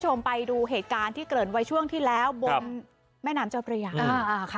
ชมไปดูเหตุการณ์ที่เกิดไว้ช่วงที่แล้วบนแม่น้ำเจ้าประหยา